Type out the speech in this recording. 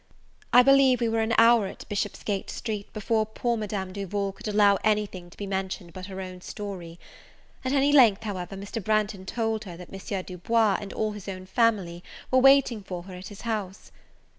I believe we were an hour at Bishopsgate Street before poor Madame Duval could allow any thing to be mentioned but her own story; at any length, however, Mr. Branghton told her, that M. Du Bois, and all his own family, were waiting for her at his house.